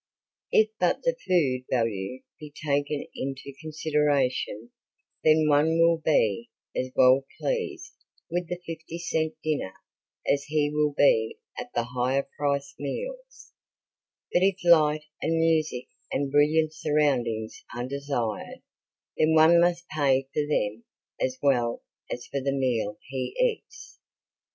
If but the food value be taken into consideration then one will be as well pleased with the fifty cent dinner as he will be at the higher priced meals, but if light and music and brilliant surroundings are desired, then one must pay for them as well as for the meal he eats.